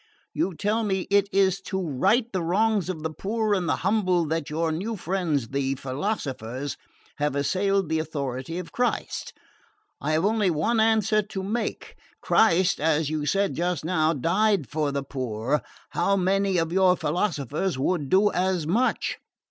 You tell me it is to right the wrongs of the poor and the humble that your new friends, the philosophers, have assailed the authority of Christ. I have only one answer to make: Christ, as you said just now, died for the poor how many of your philosophers would do as much?